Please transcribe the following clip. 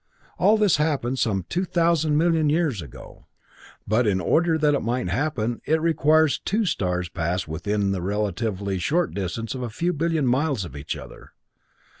"All this happened some 2,000 million years ago. "But in order that it might happen, it requires that two stars pass within the relatively short distance of a few billion miles of each other.